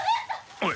おい。